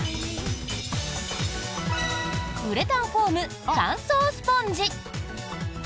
ウレタンフォーム三層スポンジ。